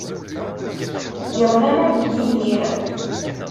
Tettgeḍ laman deg Yidir.